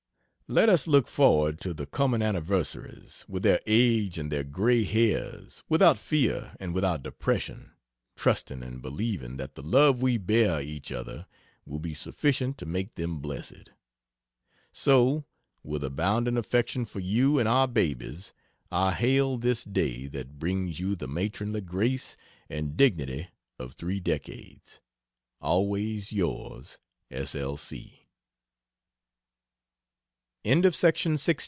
Let us look forward to the coming anniversaries, with their age and their gray hairs without fear and without depression, trusting and believing that the love we bear each other will be sufficient to make them blessed. So, with abounding affection for you and our babies, I hail this day that brings you the matronly grace and dignity of three decades! Always Yours S. L.